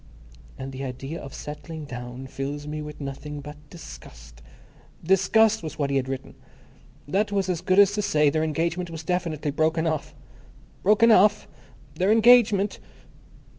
_"... and the idea of settling down fills me with nothing but disgust—" Disgust was what he had written. That was as good as to say their engagement was definitely broken off. Broken off! Their engagement!